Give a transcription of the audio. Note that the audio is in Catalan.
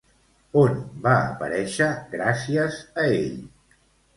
On va aparèixer, gràcies a ell?